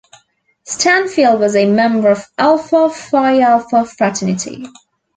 Stanfield was a member of Alpha Phi Alpha fraternity.